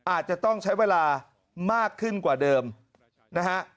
อาจจะต้องใช้เวลามากขึ้นกว่าเดิมนะฮะ